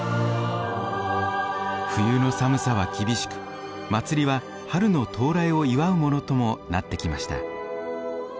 冬の寒さは厳しく祭りは春の到来を祝うものともなってきました。